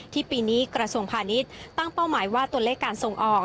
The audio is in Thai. ปีนี้กระทรวงพาณิชย์ตั้งเป้าหมายว่าตัวเลขการส่งออก